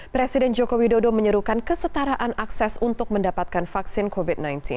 presiden joko widodo menyerukan kesetaraan akses untuk mendapatkan vaksin covid sembilan belas